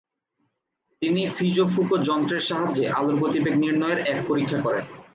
তিনি ফিজো-ফুকো যন্ত্রের সাহায্যে আলোর গতিবেগ নির্ণয়ের এক পরীক্ষা করেন।